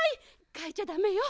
かいちゃダメよ。